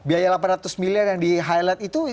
biaya delapan ratus miliar yang di highlight itu